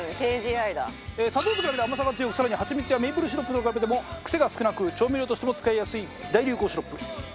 砂糖と比べて甘さが強く更にハチミツやメープルシロップと比べても癖が少なく調味料としても使いやすい大流行シロップ。